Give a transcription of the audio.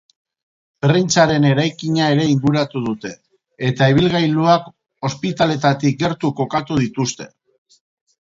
Prentsaren eraikina ere inguratu dute eta ibilgailuak ospitaletatik gertu kokatu dituzte.